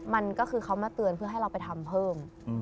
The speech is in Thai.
มันก็คือเขามาเตือนเพื่อให้เราไปทำเพิ่ม